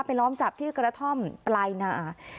ล้อมจับที่กระท่อมปลายนา